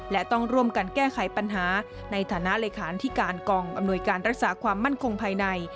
และต้องร่วมกันแก้ไขปัญหาในฐานะเลขานที่การกองอำนวยการรักษาความมั่นคงภายใน